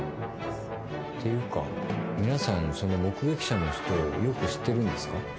「っていうか皆さんその目撃者の人をよく知ってるんですか？」